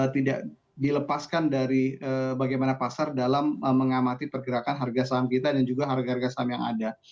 tidak dilepaskan dari bagaimana pasar dalam mengamati pergerakan harga saham kita dan juga harga harga saham yang ada